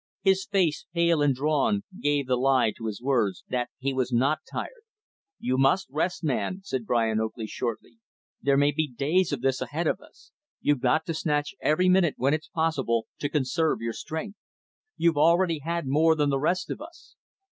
His face, pale and drawn, gave the lie to his words that he was not tired. "You must rest, man," said Brian Oakley, shortly. "There may be days of this ahead of us. You've got to snatch every minute, when it's possible, to conserve your strength. You've already had more than the rest of us.